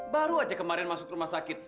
baru aja kemarin masuk rumah sakit